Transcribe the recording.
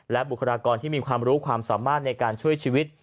และบุคลากรที่มีความรู้ความสามารถในการช่วยชีวิต